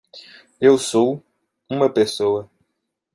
Eu sou uma pessoa